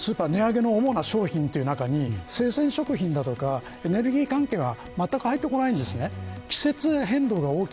だからスーパーの主な値上げの商品という中で生鮮食品とかエネルギー関係は全く入ってこないんです。